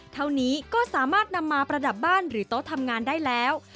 เท่านี้ก็สามารถนำมาประดับบ้านหรือโต๊ะทำงานได้แล้ว